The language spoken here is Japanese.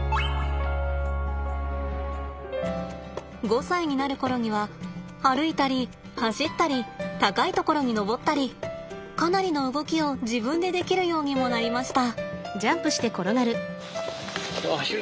５歳になる頃には歩いたり走ったり高い所に登ったりかなりの動きを自分でできるようにもなりました。